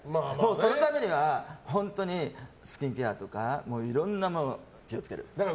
そのためにはスキンケアとかいろんなものに気を付ける。